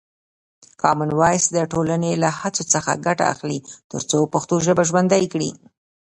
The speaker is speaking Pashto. کامن وایس د ټولنې له هڅو څخه ګټه اخلي ترڅو پښتو ژبه ژوندۍ کړي.